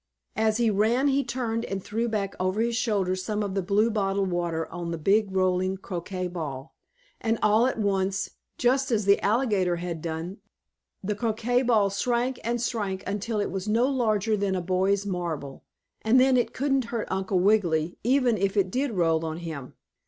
As he ran he turned and threw back over his shoulder some of the blue bottle water on the big rolling croquet ball. And, all at once, just as the alligator had done, the croquet ball shrank and shrank until it was no larger than a boy's marble, and then it couldn't hurt Uncle Wiggily even if it did roll on him.